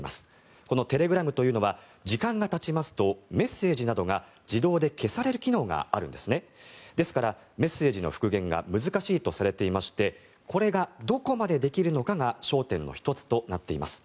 このテレグラムというのは時間がたちますとメッセージなどが自動で消される機能があるんですですから、メッセージの復元が難しいとされていましてこれがどこまでできるのかが焦点の１つとなっています。